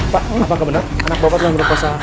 pak apakah benar anak bapak telah menerima puasa